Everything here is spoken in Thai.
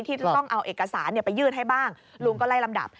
ที่จะต้องเอาเอกสารไปยื่นให้บ้างลุงก็ไล่ลำดับ